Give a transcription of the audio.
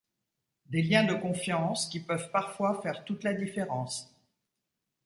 Des liens de confiance qui peuvent parfois faire toute la différence.